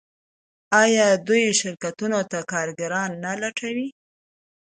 آیا دوی شرکتونو ته کارګران نه لټوي؟